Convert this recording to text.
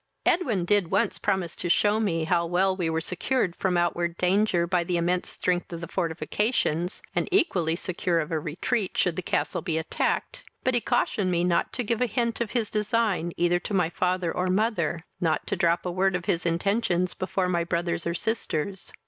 Edwin did once promise to shew me how well we were secured from outward danger by the immense strength of the fortifications, and equally secure of a retreat, should the castle be attacked; but he cautioned me not to give a hint of his design, either to my father or mother, not to drop a word of his intentions before my brothers or sisters.